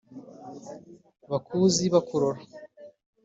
Bakuzi bakurora